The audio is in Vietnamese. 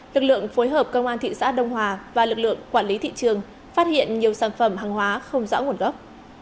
lực lượng phối hợp công an thị xã đông hòa và lực lượng quản lý thị trường phát hiện nhiều sản phẩm hàng hóa không rõ nguồn gốc